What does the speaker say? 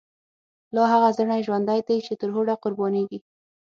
لاهغه ژڼی ژوندی دی، چی ترهوډه قربانیږی